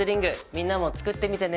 みんなも作ってみてね。